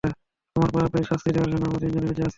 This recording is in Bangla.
তোমার পাপের শাস্তি দেয়ার জন্য আমরা তিনজনই বেঁচে আছি।